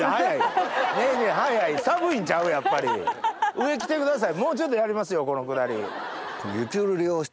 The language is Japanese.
上着てください。